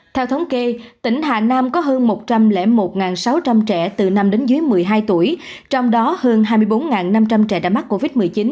theo thống kê tỉnh hà nam có hơn một trăm linh một sáu trăm linh trẻ từ năm đến dưới một mươi hai tuổi trong đó hơn hai mươi bốn năm trăm linh trẻ đã mắc covid một mươi chín